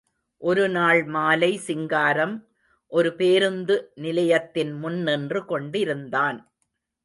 ஒருநாள் மாலை, சிங்காரம் ஒருபேருந்து நிலையத்தின் முன்நின்று கொண்டிருந்தான்.